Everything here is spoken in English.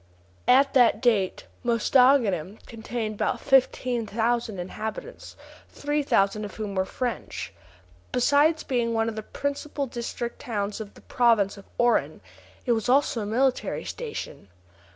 At that date, Mostaganem contained about fifteen thousand inhabitants, three thousand of whom were French. Besides being one of the principal district towns of the province of Oran, it was also a military station.